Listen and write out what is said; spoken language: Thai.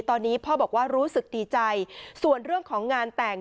ตอนนี้พ่อบอกว่ารู้สึกดีใจส่วนเรื่องของงานแต่ง